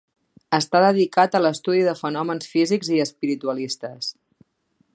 Està dedicat a l'estudi de fenòmens físics i espiritualistes.